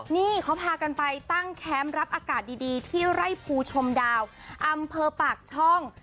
นี่เขาพากันไปตั้งแคมป์รับอากาศดีที่ไร่ภูชมดาวอำเภอปากช่อง